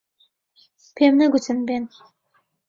پێم نەگوتن بێن.